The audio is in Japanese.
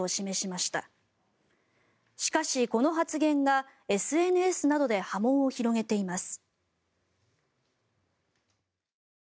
しかしこの発言が、ＳＮＳなどで波紋を広げています。